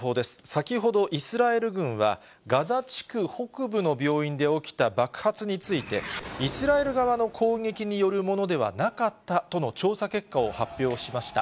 先ほど、イスラエル軍はガザ地区北部の病院で起きた爆発について、イスラエル側の攻撃によるものではなかったとの調査結果を発表しました。